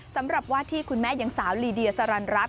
สำหรับว่าที่คุณแม่ยังสาวลีเดียสรรรัตน